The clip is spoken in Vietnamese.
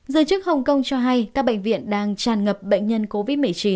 giới chức hồng kông cho hay các bệnh viện đang tràn ngập bệnh nhân covid một mươi chín